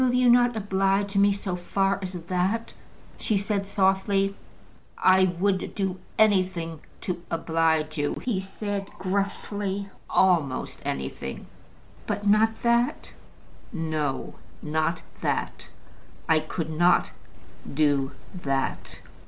"Will you not oblige me so far as that?" said she softly. "I would do anything to oblige you," said he gruffly; "almost anything." "But not that?" "No; not that. I could not do that."